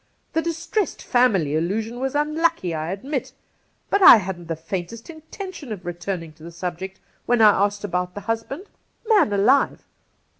The " distressed family " allusion was unlucky, I admit; but I hadn't the faintest intention of returning to the subject when I asked about the husband. Man alive